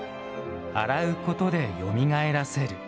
洗うことでよみがえらせる。